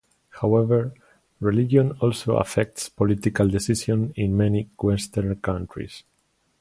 However, religion also affects political decisions in many western countries.